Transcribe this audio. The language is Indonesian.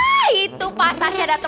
nah itu pas tasya dateng